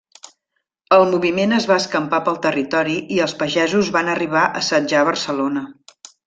El moviment es va escampar pel territori i els pagesos van arribar a assetjar Barcelona.